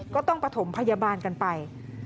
ก็ต้องประถมพยาบาลกันไป